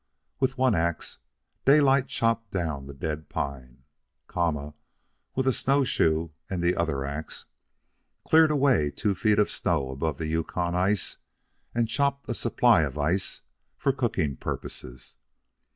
With one ax Daylight chopped down the dead pine. Kama, with a snowshoe and the other ax, cleared away the two feet of snow above the Yukon ice and chopped a supply of ice for cooking purposes.